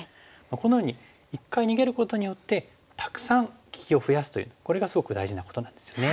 このように一回逃げることによってたくさん利きを増やすというこれがすごく大事なことなんですよね。